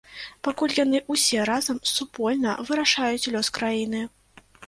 Пакуль яны ўсе разам, супольна вырашаюць лёс краіны.